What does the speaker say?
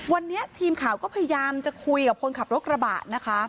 วันนี้ทีมข่าวก็พยายามจะคุยกับคนขับรถกระบะนะคะ